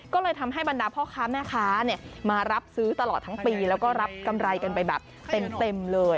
ก็เลยทำให้บรรดาพ่อค้าแม่ค้ามารับซื้อตลอดทั้งปีแล้วก็รับกำไรกันไปแบบเต็มเลย